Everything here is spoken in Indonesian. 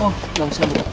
oh gak usah buka